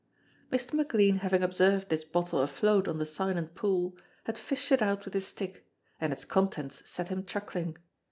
Mr. McLean having observed this bottle afloat on the Silent Pool, had fished it out with his stick, and its contents set him chuckling.